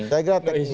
saya kira teknis